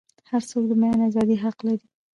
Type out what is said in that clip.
هرڅوک د بیان ازادۍ حق لري.